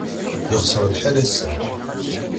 Yexṣer lḥal ass-a.